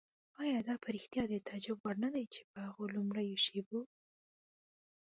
آیا دا په رښتیا د تعجب وړ نه ده چې په هغو لومړیو شېبو.